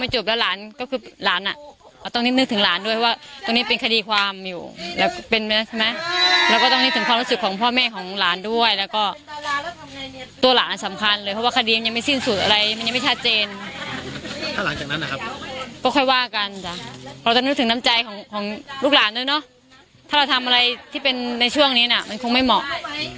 ใจของลูกหลานด้วยเนอะถ้าเราทำอะไรที่เป็นในช่วงนี้น่ะมันคงไม่เหมาะ